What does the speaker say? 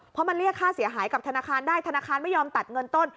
เพราะมันเรียกค่าเสียหายกับธนาคารได้ธนาคารไม่ยอมตัดเงินต้น